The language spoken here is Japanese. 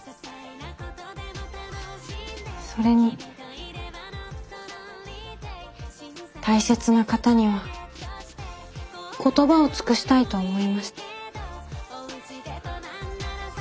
それに大切な方には言葉を尽くしたいと思いました。